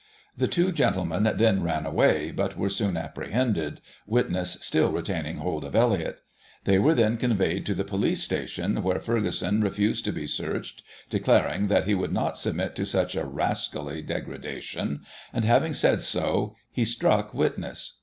The two gentlemen then ran away, but were soon apprehended, witness still retaining hold of Elliott. They were then conveyed to the police station, where Ferguson refused to be searched, declaring that he would not submit to such a rascally degradation, and, having said so, he struck witness.